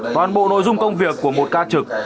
toàn bộ nội dung công việc của một ca trực